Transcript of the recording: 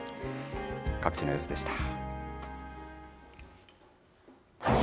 各地の様子でした。